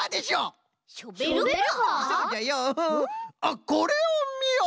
あっこれをみよ！